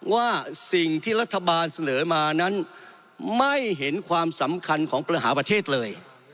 ว่าสิ่งที่รัฐบาลเสนอมานั้นไม่เห็นความสำคัญของปัญหาประเทศเลย